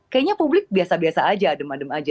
kayaknya publik biasa biasa aja adem adem aja